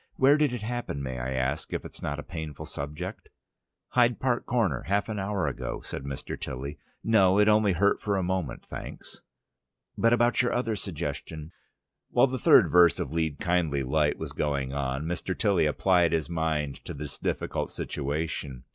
Where did it happen, may I ask, if it's not a painful subject?" "Hyde Park Corner, half an hour ago," said Mr. Tilly. "No, it only hurt for a moment, thanks." "But about your other suggestion " While the third verse of "Lead, kindly Light" was going on, Mr. Tilly applied his mind to this difficult situation.